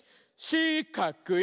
しかくい！